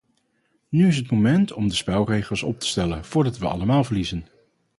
Nu is het moment om de spelregels op te stellen, voordat we allemaal verliezen.